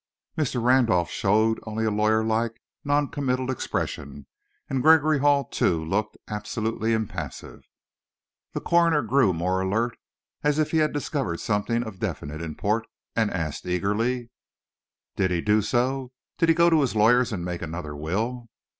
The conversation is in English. Mr. Randolph showed only a lawyer like, noncommittal expression, and Gregory Hall, too, looked absolutely impassive. The coroner grew more alert, as if he had discovered something of definite import, and asked eagerly, "Did he do so? Did he go to his lawyer's and make another will?"